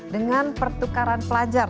dengan pertukaran pelajar